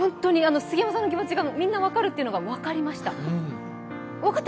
杉山さんの気持ちがみんな分かるというのが分かりました。